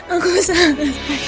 aku salah sayang